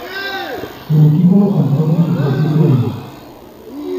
El equipo lo compró con su propio sueldo.